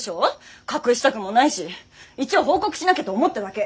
隠したくもないし一応報告しなきゃと思っただけ。